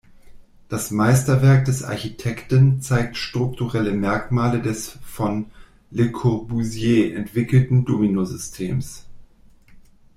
Das Meisterwerk des Architekten zeigt strukturelle Merkmale des von Le Corbusier entwickelten „Domino-Systems“.